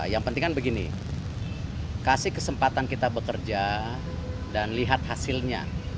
yang penting kan begini kasih kesempatan kita bekerja dan lihat hasilnya